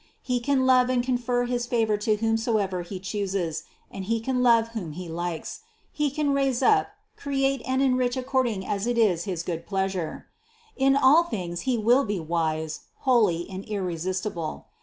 He can love and confer his favor to whomsoever He chooses, and He can love whom He likes; He can raise up, create and enrich according as it is his good pleasure. In all things He will be wise, holy and irresistible.